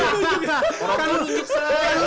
orang tua lu menunjukkan